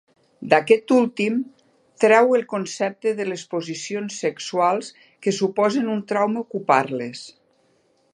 D'aquest últim, treu el concepte de les posicions sexuals que suposen un trauma ocupar-les.